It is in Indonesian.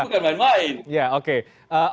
ini bukan main main